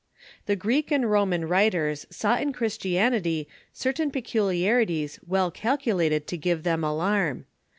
The Greek and Roman writers saw in Christianity certain peculiarities well calculated to give them alarm.